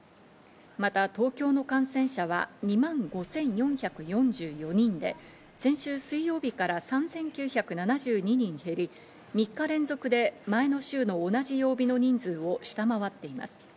また東京の感染者は２万５４４４人で、先週水曜日から３９７２人減り、３日連続で前の週の同じ曜日の人数を下回っています。